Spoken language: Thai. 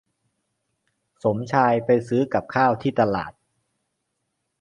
สมชายไปซื้อกับข้าวที่ตลาด